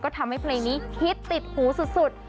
ทำให้เพลงนี้ฮิตติดหูสุด